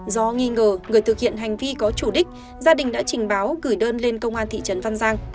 do nghi ngờ người thực hiện hành vi có chủ đích gia đình đã trình báo gửi đơn lên công an thị trấn văn giang